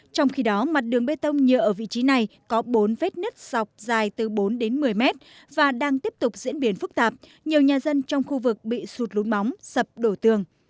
trong khi đó mặt đường bê tông nhựa ở vị trí này có bốn vết nứt dọc dài từ bốn đến một mươi mét và đang tiếp tục diễn biến phức tạp nhiều nhà dân trong khu vực bị sụt lún móng sập đổ tường